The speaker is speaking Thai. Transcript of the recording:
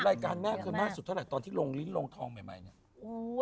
รายการแม่เกิดมาสุดที่ลองลิ้นลงทองแบบนี้